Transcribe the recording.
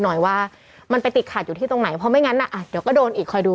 หน่อยว่ามันไปติดขัดอยู่ที่ตรงไหนเพราะไม่งั้นอ่ะเดี๋ยวก็โดนอีกคอยดู